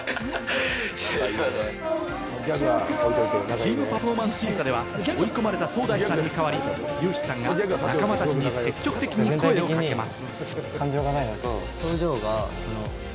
チーム・パフォーマンス審査では追い込まれたソウダイさんに代わり、ユウヒさんが仲間たちに積極的に声をかけます。